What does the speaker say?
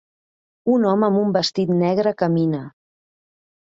Un home amb un vestit negre camina.